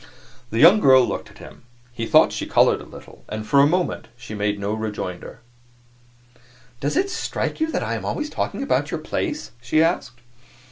The young girl looked at him; he thought she colored a little; and for a moment she made no rejoinder. "Does it strike you that I am always talking about your place?" she asked.